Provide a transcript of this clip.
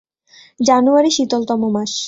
জানুয়ারি শীতলতম মাস।